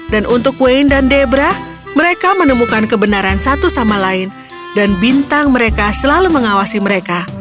dan untuk wayne dan debra mereka menemukan kebenaran satu sama lain dan bintang mereka selalu mengawasi mereka